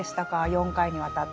４回にわたって。